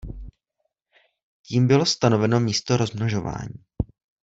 Tím bylo stanoveno místo rozmnožování.